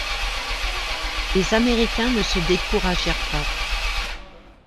Les Américains ne se découragèrent pas.